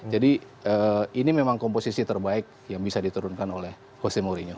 jadi ini memang komposisi terbaik yang bisa diterunkan oleh jose mourinho